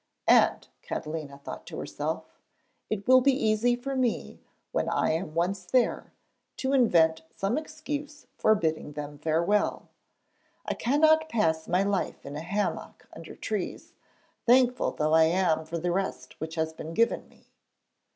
'And,' Catalina thought to herself, 'it will be easy for me, when I am once there, to invent some excuse for bidding them farewell. I cannot pass my life in a hammock under trees, thankful though I am for the rest which has been given me.'